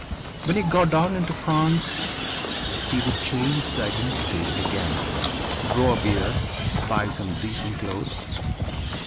When he got down into France he would change his identity again grow a beard, buy some decent clothes.